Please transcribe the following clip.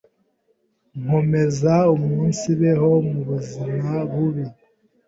nkomeze umunsibeho mu buzime bubi